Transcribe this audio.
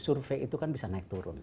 survei itu kan bisa naik turun